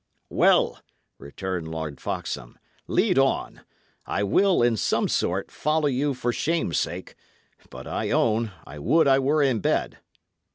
"Well," returned Lord Foxham, "lead on. I will, in some sort, follow you for shame's sake; but I own I would I were in bed."